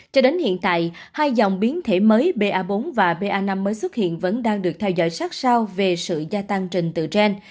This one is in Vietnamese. cho đến hiện tại hai dòng biến thể mới ba bốn và ba năm mới xuất hiện vẫn đang được theo dõi sát sao về sự gia tăng trình tự gen